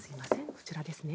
こちらですね。